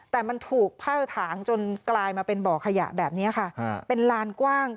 แต่มันถูกผ้าถางจนกลายมาเป็นบ่อขยะแบบนี้ค่ะเป็นลานกว้าง